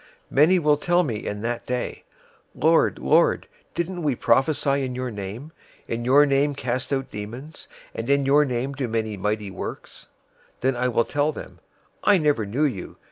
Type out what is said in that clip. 007:022 Many will tell me in that day, 'Lord, Lord, didn't we prophesy in your name, in your name cast out demons, and in your name do many mighty works?' 007:023 Then I will tell them, 'I never knew you.